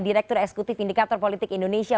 direktur eksekutif indikator politik indonesia